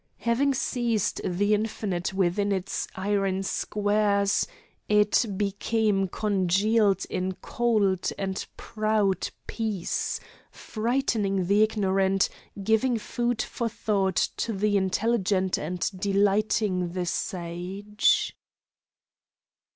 Having seized the infinite within its iron squares, it became congealed in cold and proud peace, frightening the ignorant, giving food for thought to the intelligent and delighting the sage!